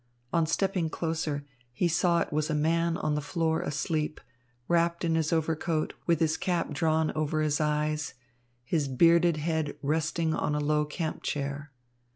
On stepping closer he saw it was a man on the floor asleep, wrapped in his overcoat with his cap drawn over his eyes, his bearded head resting on a low camp chair.